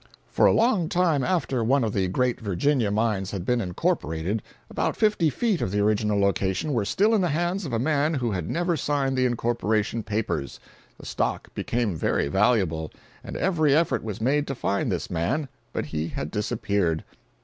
For a long time after one of the great Virginia mines had been incorporated, about fifty feet of the original location were still in the hands of a man who had never signed the incorporation papers. The stock became very valuable, and every effort was made to find this man, but he had disappeared.